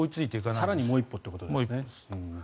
更にもう一歩ということですね。